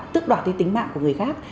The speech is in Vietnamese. sức đoạt đi tính mạng của người khác